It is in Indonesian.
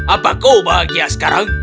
apa kau bahagia sekarang